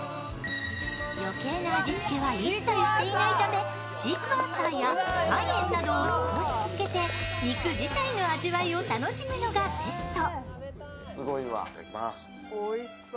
余計な味付けは一切していないため、シークヮーサーや岩塩などを少しつけて、肉自体の味を楽しむのがベスト。